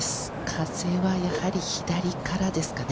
風はやはり左からですかね。